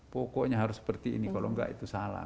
pokoknya harus seperti ini kalau enggak itu salah